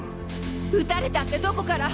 撃たれたってどこから！？